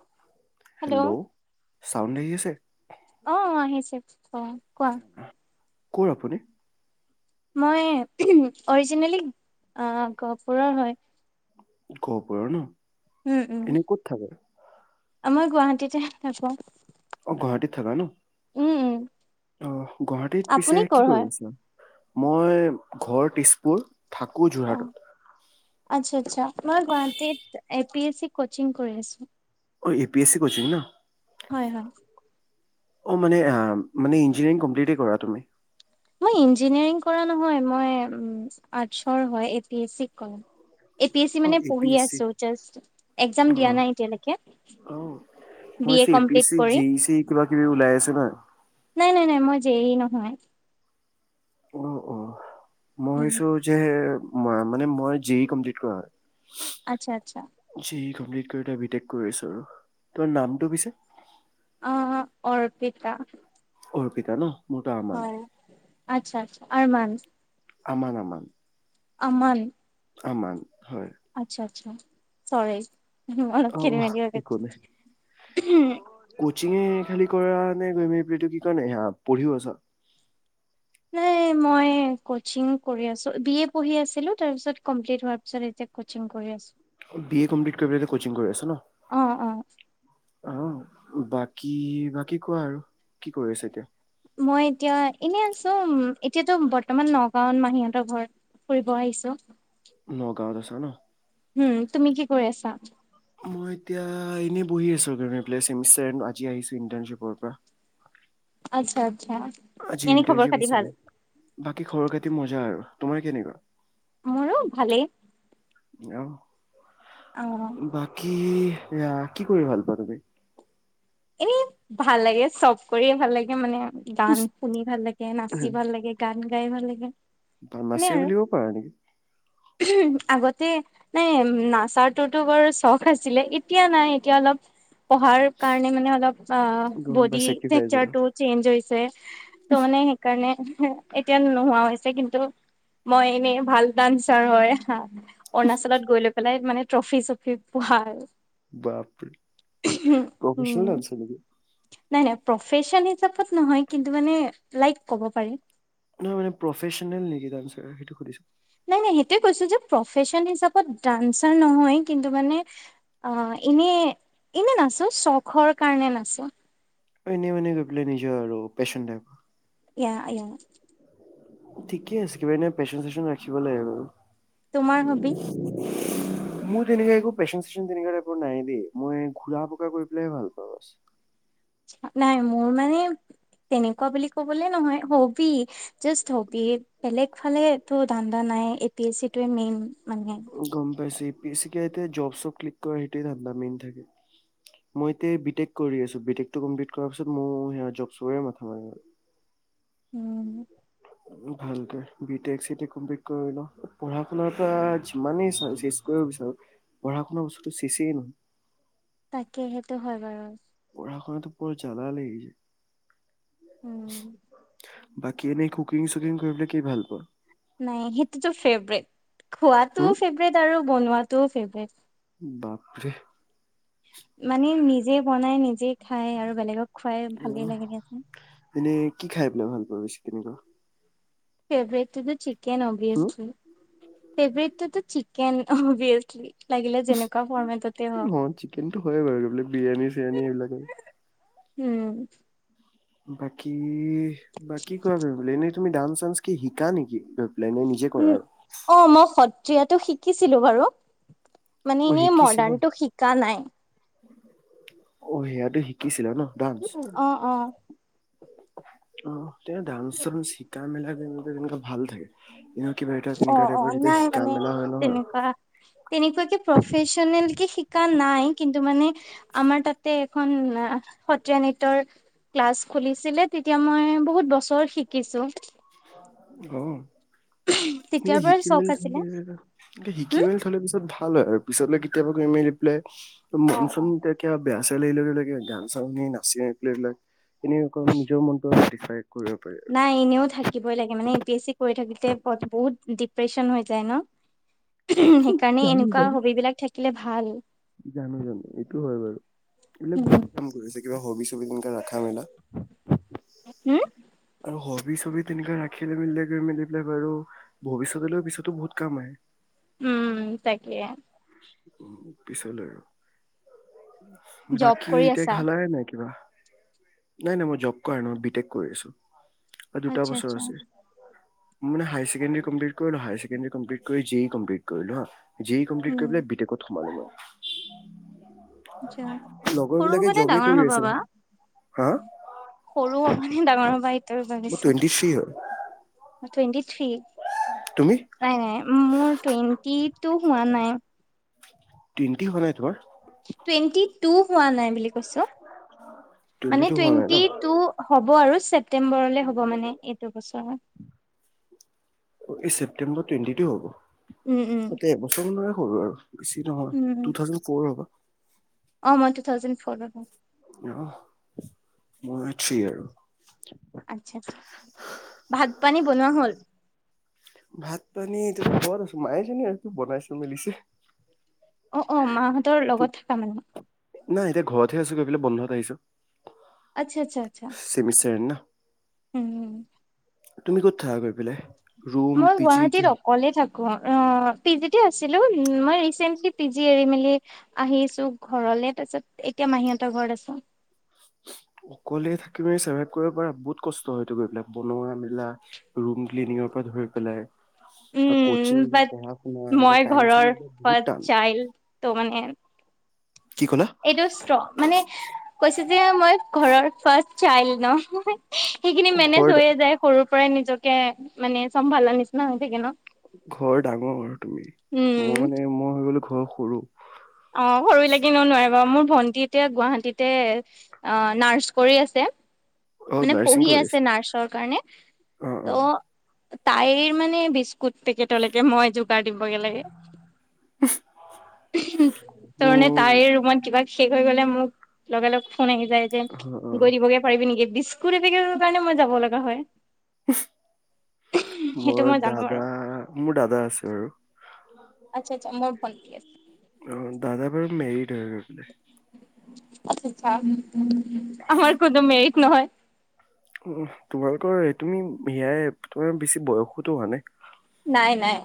[inaudible] Hello চন্ড আহি আছে? অ আহিছে অ'। কোৱা। ক'ত আপুনি? মই অৰিজিনেলি অ' গহপুৰৰ হয়। গহপুৰৰ নেকি? এনেই ক'ত থাকে? আ মই গুৱাহাটীতে থাকো। অ' গুৱাহাটীত থাকা ন? উম, উ। অ', গুৱাহাটীত পিছে কি কৰি হয় আছা? মই, ঘৰ তেজপুৰ। থাকো অ, যোৰহাটত আচ্ছা আচ্ছা, মই গুৱাহাটীত পি এছ চি কচিং কৰি আছো। অ', A P S C coaching ন? হয় হয় অ', মানে, মানে ইঞ্জিনিয়াৰিং কমপ্লিটেই কৰা তুমি। মই ইঞ্জিনিয়েৰিং কৰা নহয়, মই আৰ্টছৰ হয়, এ পি এছ চি কৰিম। এ পি এছ চি অ মানে এ পি পঢ়ি এছ চি আছোঁ জাষ্ট, এক্সাম অ দিয়া নাই এতিয়ালেকে, অ অ, মই বি এ ভাবিছোঁ পি এছ কমপ্লিট চি কৰি। জে ই চি কিবা কিবি ওলাই আছে ন নাই, নাই, নাই, মই যে ই ই নহয়। অ', অ'। মই উম ভাবিছোঁ যে মই মানে মই, জে ই কমপ্লিট কৰা হয়। আচ্ছা আচ্ছা। জে ই কমপ্লিট কৰি এতিয়া বি তেক কৰি আছোঁ আৰু। তোমাৰ নামটো পিছে? অ', অ', অৰ্পিতা। অৰ্পিতা ন'? মোৰতো আমান হয়, আচ্ছা আচ্ছা, আৰ্মান। আমান, আমান। অমন। আমান হয় আচ্ছা আচ্ছা চৰে উ মন অ খেলি মেলি হয় একো উম। কিঙ খালি কৰা নে গৈ ম এইটো কি কাৰ নে স পঢ়িও আছ? এই মই কোচিং কৰি আছো, বি এ পঢ়ি আছিলো, তাৰপিছত এতিয়া কমপ্লিত হোৱা পিছত এতিয়া কোচিং কৰি আছো। অ' বি এ কমপ্লিট কৰি কচিং কৰি আছা ন? অ অ আহ বাকী বাকী কোৱা আৰু কি কৰি আছে এতিয়া? মই এতিয়া এনে আছো এতিয়াতো বৰ্তমান নগাঁওত মাহীহঁতৰ ঘৰত ফুৰিব আহিছো। নগাঁওত আছা ন? উম, তুমি কি কৰি আছা? মই এতিয়া এনেই বহি আছো, [unintelligible] আজি আহিছে ইণ্টাৰ্ণশিপ পৰা। আচ্ছা। আচ্ছা আজি এনে খবৰ ইণৰ্টানশ্বিপ খাতি ভাল আছিলে। বাকী খৰৰ খাতি মজা আৰু। তোমাৰ কেনেকুৱা? মোৰো ভালেই। আহ। আহ। কি, কি কৰি ভাল পোৱা তুমি? এনেই ভাল লাগে, চব কৰিয়ে ভাল লাগে মানে। গান শুনি ভাল লাগে, নাচি ভাল লাগে, গান গাই ভাল লাগে ব নাচিয় বুলিব পাৰা নেকি উ আগতে নাই নাচাৰটোতো বৰ চখ আছিলে এতিয়া নাই এতিয়া অলপ পঢ়াৰ কাৰণ এনেই মনেই অলপ গম পাই বডি চেক্ৰিফাইচ আৰু োৰটো [unintelligible] চেঞ্জ হৈছে ত' মানে সেইকাৰণে এতিয়া নোহোৱা হৈছে কিন্তু মই এনেই ভাল ডান্সাৰ হয় হা অৰুণাচলত গৈ লৈ পেলাই মানে ট্ৰফি চফি পোৱা আৰু বাপৰি ভষ্ণু চলি [unintelligible] প্ৰফেছন হিচাপত নহয় কিন্তু মানে লাইক কব পাৰি নহয় মানে, প্ৰফেশ্যনেল নেকি ডাঞ্চাৰ সেইটো সুধিছো। নাই, নাই সেইটোৱে কৈছোঁ যে প্ৰফেশ্যন হিচাপত ডান্সাৰ নহয়। কিন্তু মানে আ এনেই, এনেই নাচো, চখৰ কাৰণে নাচো। ঐ এনেই মানে গৈ পেলাই নিজৰ আৰু পেশচন টাইপ। ইয়া, ইয়া। ঠিকে আছে। কিবা এনে পেশ্যন চেশ্যন ৰাখিব লাগে বাৰু। তোমাৰ হবি? মোৰ তেনেকা একো পেশ্যন-চেচন তেনেকা টাইপৰ নাই দেই। মই ঘূৰা-পকা কৰি পেলাইহে ভাল পাওঁ বছ। নাই মোৰ মানে তেনেকুৱা বুলি ক'বলে নহয়, হ'বি যাষ্ট হ'বি বেলেগ ফালে টো ধান্দা নাই। এ পি এছি টোৱে মেইন মানে গম পাইছেই বেছিকে এতিয়া জব চব ক্লিক কৰি সেটোৱে ধন্দা মেইন থাকে। মই এতিয়া বি টেক কৰি আছো। বি টেক টো কমপ্লিট কৰা পিছত মইও সেয়া জব চবৰে মাথা মাৰিম আৰু উম। ভালকে B tech C tech complete কৰি লওঁ। পঢ়া-শুনাতো আৰু যিমানেই চেচ কৰিব বিচাৰো, পঢ়া-শুনা বস্তুটো চেছে নহয়। তাকে সেইটো হয় বাৰু ঘৰতো বৰ জালা লাগিছে। উম। বাকী এনেই কুকিং চুকিং কৰিবলে কি ভাল পোৱা? নাই, সেইটোতো ফেভৰেট। হম খোৱাটোও ফেভৰেট আৰু বনোৱাটোও ফেভৰেট। বাপৰে [unintelligible] মানে নিজে বনাই নিজে খাই আৰু বেলেগক খুৱাই ভালেই লাগে দিয়াচোন। এনে কি খাই পেলাই ভাল পোৱা বেছি তেনেকুৱা? কেভেটিবিট চিপ কেন অভিয়াছলি। ফেভৰেটটোতো চিকেন অভিয়েছলি অ, চিকেনটো হয় বাৰু এই বিলাক বিৰিয়ানী চিৰিয়ানী এইবিলাক। উম। বাকী ই বা কি কোৱা বোলে এনেই? তুমি ডান্স চান্স কি শিকা নেকি? পেলাই নে নিজে কৰা উম, আৰু অ' মই সত ত্ৰীয়াটো শিকিছিলো বাৰু অ মানে এনেই শিকিছিলা মডাৰ্ণতটো শিকা নাই। অ', সেইয়াতে শিকিছিলা ন? ডান্স অ, অ, অ' এতিয়া ডান্স-চাঞ্চ শিকা মেলা [unintelligible] ভাল থাকে। এনেও কিবা এটা অ, তেনেকুৱা অ, টাইপৰ যেতিয়া নাই শিকা মানে মেলা হয় নহয় তেনেকুৱা তেনেকুৱাকে প্ৰফেচেনেল কি শিকা নাই, কিন্তু মানে, আমাৰ তাতে এখন সত্ৰীয়া নৃত্যৰ ক্লাছ খুলিছিলে, তেতিয়া মই বহুত বছৰ শিক শিকিছো। এ, তেতিয়াৰ পৰাই শিকি চখ মেলি আছিলে থলে এ শিকি হম মেলি থলে পিছত ভাল হয় আৰু। পিছলৈ কেতিয়াবা [unintelligible] [unintelligible] অ অ বেয়া [unintelligible] গান-চান শুনি নাচি [unintelligible] নিজৰ মনতো [unintelligible] কৰিব পাৰি আৰু। নাই এনেও থাকিবই লাগে, মানে এ পি এছ চি কৰি থাকিতে বহুত ডিপ্ৰেচন হৈ যায় ন'? সেইকাৰণে জানো এনেকুৱা বাৰু হবি বিলাক থাক থাকিলে ভাল। জানো জানো এইটো হ'য় বাৰু, এইবিলাক উম। [unintelligible] কাম কৰিছে। কিবা হবি-ছবি তেনেকে ৰখা মেলা। হম আৰু হবি ছবি তেনেককাা ৰাখিলে মিলিলে গৈ মেলি পেলাই বাৰু ভৱিষ্যতেলৈ পিছতো বহুত কাম আহে উম তাকে উ পিছলৈ আৰু জব বাকী কৰি এতিয়া আছা? ঘালাইে নাই কিবা নাই নাই মই জব কৰা নহয় বি টেক কৰি আছো আৰু দুটা আচ্ছা, বছৰ আচ্ছা, আছে মানে হাই ছেকেডম্ট কৰিলোছেমট কৰি ইম কৰিলো যি কমপ্লিট উম, কৰিলে ত সোমালো ম আচ্ছা। লগৰ সৰু বিলাকে হ'বা নে জবেই ডাঙৰ কৰি হ'বা আছিল বা? হা সৰু হ'বা নে ডাঙৰ হ'বা সটোোৱ মোৰ জাবিছো টুৱেণ্টি থ্ৰী হয়। টুৱেণ্টি থ্ৰী তুমি? নাই নাই মোৰ টুৱেন্টি টো হোৱা নাই তিনিটি হোৱা নাই তোমাৰ টুৱেণ্টি টু হোৱা নাই বুলি কৈছ টুৱেণ্টি মানে টু হোৱা নাই ন? টুৱেন্টি টু হ'ব আৰু সাত ছেপ্টেম্বৰলে হ'ব মানে এইটো বছৰ পে্বৰ ুৱেটি ু হব ততে বচন্ সৰু আৰু বেছি নহয় উম। তুথাউজেণ্ড ফ'ৰ হ'ব। অ মই টু থাউজেণ্ড ফৌৰ হয়। অ মই থ্ৰী আৰু আচ্ছা আছা। ভাত পানী বনোৱা হল? ভাত পানী ত ঘৰত মাই জনে আৰু বনাইছ মেলিছে। অ অ মাহঁতৰ লগত থকা মানে। নাই এতিয়া ঘৰতহে আছো গৈ পেলাই বন্ধত আহিছো। আচ্ছা আচ্ছা আচ্ছা এণ্ড না। হম। তুমি ক'ত থাকা গৈ পেলাই ৰুম, মই পি জি কি গুৱাহাটীত অকলে থাকো অ পিজি তে আছিলো মই ৰিচেন্টলি পি জি এৰি মেলি আহিছো ঘৰলে তাৰ পিছত এতিয়া মাহীতৰ ঘৰত আছো। অকলে থাকি মেলি চাৰ্ভাইভ কৰিব পাৰা বহুত কষ্ট হয়তটো গৈ পেলাই বনোৱা মেলা ৰুম ক্লিনিঙৰ পৰা ধৰি পেলাই আৰু উম কচিং বাট পঢ়া শুনা মই এ টাইম চ ঘৰৰ বহুত ফাৰ্ষ্ট টান চাইল্ড ত' মানে কি ক'লা এইটো স্ত্ৰ, মানে কৈছোঁ দিয়া মই ঘৰৰ ফাৰ্ষ্ট চাইল্ড ন সেইখিনি অ ঘৰ মেনেজ ডা- হৈয়েই যায়। সৰু প্ৰায়েই নিজকে, মানে, চম্ভালাৰ নিচিনা হৈ থাকে, ন? ঘৰৰ ডাঙৰ আৰু, তুমি, উম মই, মানে, মই হৈ গ'লোঁ ঘৰৰ সৰু অ', সৰু লাগি, ন? নোৱাৰে বাৰু মোৰ ভণ্টি এতিয়া গুৱাহাটীতেই, অ', নাৰ্চ কৰি আছে। অ মানে, নাৰ্ছিং পঢ়ি কৰি আছে, আছো নাৰ্চৰ কাৰণে, অ অ ত' তাইৰ, মানে, বিস্কুট পেকেটলৈকে, মই যো গাৰ দিবগে লাগে। তাৰ, মানে, মোৰ তাইৰ ৰুমত কিবা শেষ হৈ গ'লে, মোক লগে-লগে ফোন আহি যায় যে। অ অ গৈ দিবগে পাৰিবি নেকি? বিস্কুট এটাৰ কাৰণেও, মই যাব লগা হয় সেইটো মোৰ মই জানো আৰু। দাদা, মোৰ দাদা আছে, আৰু আচ্ছা, আচ্ছা। মোৰ ভণ্টী আছে। অ', দাদা বাৰু মেৰিড হৈ গৈছে। আচ্ছা আমাৰ কোনো মেৰিড নহয় উহ। তোমালোকৰ, তুমি, সেয়াই, তোমাৰ বেছি বয়সোতো হোৱা নাই? নাই, নাই।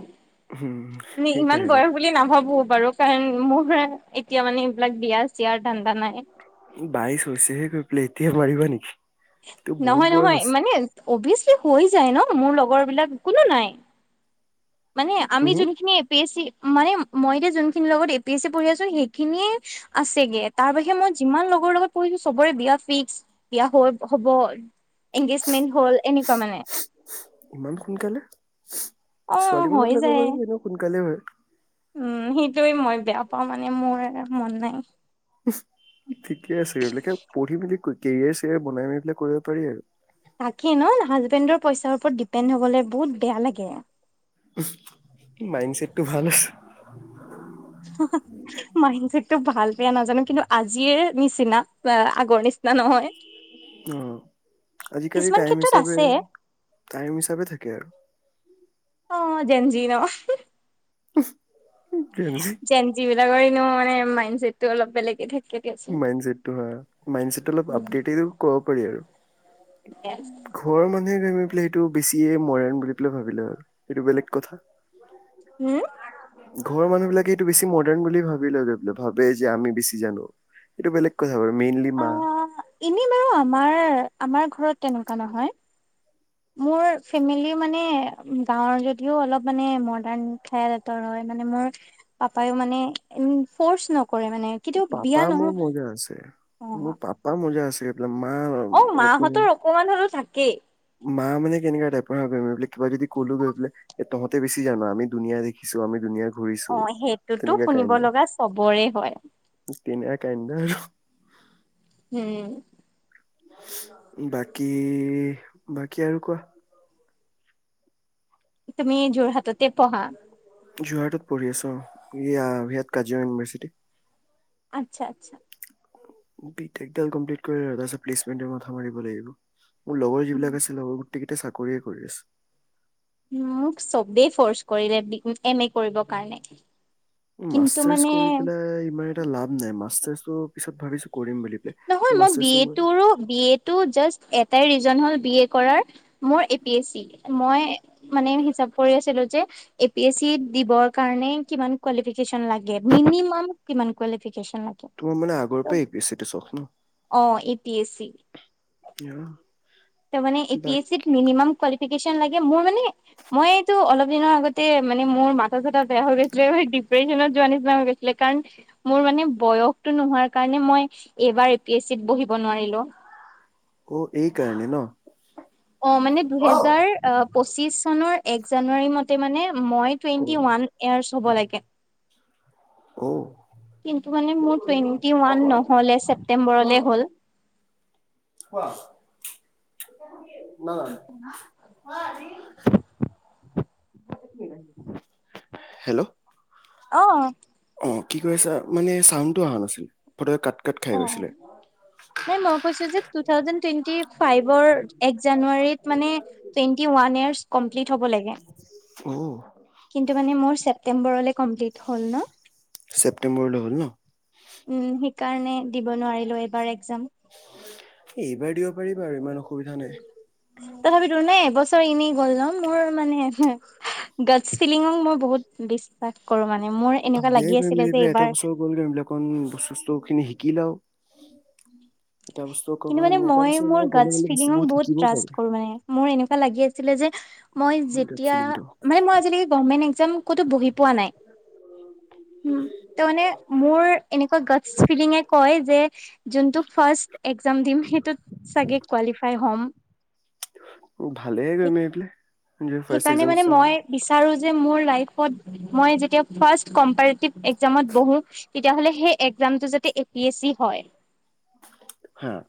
উম আমি ইমান সেইকাৰণে বয়স বুলি নাভাবোঁ বাৰু কাৰণ মোৰ এতিয়া, মানে, এইবিলাক বিয়াৰ চিয়াৰ ধান্দা নাই। বাইশ হৈছেহে গৈ পেলাই। এতিয়া মাৰিবা নেকি? তোৰ বহুত নহয়, বয়স নহয়। হৈছে মানে, অভ্যাসলি হৈ যায়, ন? মোৰ লগৰবিলাক কোনো নাই মানে, আমি হম হম যোনখিনি এ পি এছ ছি মানে, মই এতিয়া যোনখিনিৰ লগত এ পি এছ ছি পঢ়ি আছোঁ, সেইখিনি আছেগে। তাৰ বাহিৰে, মই যিমান লগৰ লগত পঢ়িছোঁ, চবৰে বিয়া ফিক্স, বিয়া হৈ হ'ব, এনগেজমেণ্ট হ'ল, এনেকুৱা, মানে ইমান সোনকালে অ ছোৱালী হৈ মানুহবিলাকৰ যায় বাৰু, এনেওঁ সোনকালেই হয়। উম, সেইটোৱেই মই বেয়া অ', মানে, মোৰ মন নাই [inaudible] ঠিকে আছে, [unintelligible] পঢ়ি মেলি কৰি কেৰিয়াৰ চেৰিয়াৰ বনাই মেলি পেলাই কৰিব পাৰি আৰু। তাকে ন', হাজবেণ্ডৰ পইচাৰ ওপৰত ডিপেণ্ড হবলৈ বহুত বেয়া লাগে। মাইণ্ডছেটটো ভাল আছে। মাইণ্ডছেট ভাল বেয়া নাজানো। কিন্তু আজিয়ে নিচিনা, আগৰ নিচিনা নহয়। অ', আজিকালিৰ কিছুমান টাইম ক্ষেত্ৰত হিচাপে, আছে টাইম হিচাপে থাকে অ আৰু। ন [inaudible] জেনজি বিলাকৰ ম মানে, মাইণ্ডছেটটো অলপ বেলেগে থাকে। দিয়াচোন। মাইণ্ডছেটটো হয়, মাইণ্ডছেটটো অলপ আপডেট ক'ব পাৰি আৰু। ঘৰ মানুহে [unintelligible] সেইটো বেছিয়ে মডেৰ্ণ বুলি পেলাই ভাবি লয় আৰু, ইেইটো বেলেগ কথা। উম ঘৰৰ মানুহ বিলাকে এইটো বেছি মডাৰ্ণ বুলি ভাবি ললে, ভাবে যে আমি বেছি জানো। এইটো বেলেগ কথা। বাৰু মেইনলি মা অ' এনেই বাৰু আমাৰ আমাৰ ঘৰত তেনেকুৱা নহয়। মোৰ ফেমিলি মানে গাঁৱৰ যদিও অলপ মানে মডাৰণ ঠাইতৰ হয় মানে মোৰ পাপায়ো মানে ফৰ্চ নক পাপা মোৰ মজা আছে, মোৰ অ' পাপা মজা আছে। গৈ পেলাই মা অ' অলপ মানে মাহঁতৰ অকমান হলেও থাকেই। মা মানে কেনেকা টাইপৰ গমো কিবা যদি ক'লো গৈ পোলে তহতে বেছি জান আমি দুুনীয়া দেখিছো আমি দুুনীয়া ঘূৰিছো। অ, সেইটোতো তেনেকা শুনিব লগা চবৰে হয়। তিনে কাইড উম। বাকী-বাকী আৰু কোৱা? তুমি যোৰহাটতে পঢ়া। যোৰহাটত পঢ়ি আছো অ ইয়াত কাজিয়ঙা ইউনিভাৰ্চিটি। আচ্ছা-আচ্ছা, বি টেক দাল কম্প্লেত কৰি লওঁ তাৰছত প্লেৰ মথা মাৰিব লাগিব। মোৰ লগৰ উম, যিবিলাক আছিল লগ গোটেই চা কৰিয়ে কৰি আছে। মোক চবেই ফৰ্চ কৰিলে এম এ কৰিবৰ কাৰণে। কিন্তু মাষ্টাচ মানে কৰি পেলাই ইমান এটা লাভ নাই, মাষ্টাচ ত' পিছত ভাবিছো কৰিম বুলি। নহয় পেলাই। মই বি মাষ্টাৰ্চটো এ তো বি এতটো জাষ্ট এটাই ৰিজন হ'ল। বি এ কৰা মই এপি এছ চি মানে হিচাপ কৰি আছিলো যে এপি এছচি দিবৰ কাৰণে কিমান কোলিফিকেশ্যন লাগে মিনিমাম কিমান কোলিফিকেশ্য। তোমাৰ মানে আগৰ পৰাই এপি এছ চি টো চখ্ ন। অ এ পি এছচি আহ [unintelligible] ত' মান এ পি এছ চিত মিনিমাম ক কোলিফিকেশ্যন লাগে মোৰ মানে মই এইটো অলপ দিনৰ আগতে মোৰ মাথা চাথা বেয়া হৈ গৈছিলে। ডিপ্ৰেছনত যোৱাৰ নিচিনা হৈ গৈছিলে কাৰণ মোৰ মানে বয়স টো নোহোৱাৰ কাৰণে মই এই বাৰ এ পি এছ চিত বহিব নোৱাৰিলোঁ। অ', এই কাৰনে ন। অ', মানে দুহেজাৰ অ, পঁচিশ চনৰ এক জানুৱাৰী মতে মানে মই টুৱেন্টি ওৱান ইয়াৰ্চ হ'ব লাগে। অ'। কিন্তু মানে মোৰ টুৱেন্টি ওৱান নহ'লে ছেপ্তেম্বৰলে হ'ল। হ [unintelligible] [unintelligible] হেল্ল' অ', অ' কি কছা মানে চাউটো অহা নাছিল ফটকে কাত অ', অ-অ, হেই মই কৈছিলো যে তুথাওজেন তুৱেন্তী ফাইভ ৰ এক জানুৱাৰী ট মানে টুৱেন্টি ওৱান ইয়াৰ্ছ কমপ্লিট হব লাগে। অ', কিন্তু মানে মোৰ চে ছেপ্টেম্বৰলৈ কমপ্লিট হ'ল ন। ছেপ্তেম্বৰলৈ হ'ল ন উম, সেইকাৰণে দিব নোৱাৰিলো। বাৰ এক্সাম। এইবাৰ দিব পাৰিবা আৰু ইমান অসুবিধা নাই। তথাপিতো নে এবছৰ এনেই গ'ল ন মোৰ মানে গ ফিলিঙক মই বহুত বিশ্বাস কৰো মানে। মোৰ এনেকুৱা ভালে লাগি গৈ আছিলে মেলি যে পোলে এটা এইবাৰ বছৰ গ'ল গৈবলাকন বস্তু ষষ্টো খিনি শিকি লও। কিন্তু মানে এটা মই বস্তু মোৰ এনেকে গ'লে গটছ গ'লে বস্তু ফিলিঙু বহুত শিকিবও ট্ৰাষ্ট পাৰি কৰো মানে মোৰ এনেকুৱা লাগি আছিলে যে মই দেট যেতিয়া ফিলিংটো মানে মই আজিলৈকে গভৰ্ণমেণ্ট এক্সাম কতো বহি পোৱা নাই উম, ত এনেমুৰ এনেকুৱা গটচ ফিলিঙে কৈ। কৈ যে যোনটো ফাৰ্ষ্ট একজাম দিম সেইটোত চাগে কোৱালিফাই হ'ম। ভালে গ ম প ফাৰ সেইকাৰণে এক কত মই যেতিয়া ফাৰ্ষ্ট কম্পেৰতিভ এক্সামত বহু তেতিয়াহলে হেই এক্সমটো যাতে এ পি এছ চি হয়। হাহ